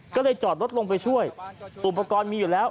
ก็เลยจอดรถลงไปช่วยอุปกรณ์มีอยู่แล้ว